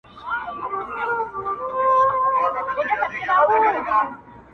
چي لیکلی چا غزل وي بې الهامه،